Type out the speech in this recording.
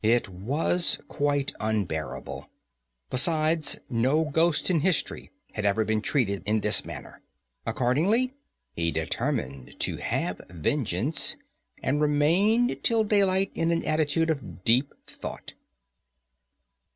It was quite unbearable. Besides, no ghost in history had ever been treated in this manner. Accordingly, he determined to have vengeance, and remained till daylight in an attitude of deep thought.